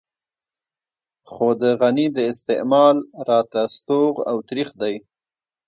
خو د غني د استعمال راته ستوغ او ترېخ دی.